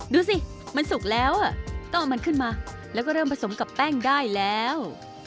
ดูสิมันสุกแล้วต้องเอามันขึ้นมาแล้วก็เริ่มผสมกับแป้งได้แล้ว